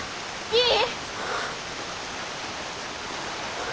いい？